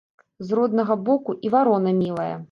З роднага боку і варона мілая